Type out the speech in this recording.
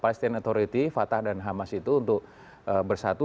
palestian authority fatah dan hamas itu untuk bersatu